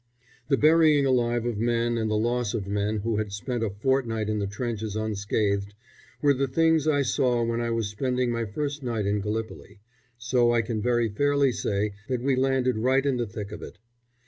The burying alive of men and the loss of men who had spent a fortnight in the trenches unscathed, were the things I saw when I was spending my first night in Gallipoli, so I can very fairly say that we landed right in the thick of it.